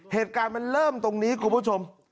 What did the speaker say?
เหตุการณ์มันเริ่มตรงนี้คุณผู้ชม